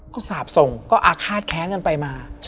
ก็สาบส่งก็อาฆาตแค้นกันไปมา